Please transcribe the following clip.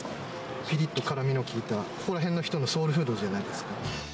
ぴりっと辛みの効いた、ここら辺の人のソウルフードじゃないですか。